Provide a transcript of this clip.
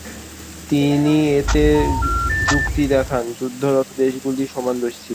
তিনি এতে যুক্তি দেখান যে যুদ্ধরত দেশগুলো সমান দোষী ছিল।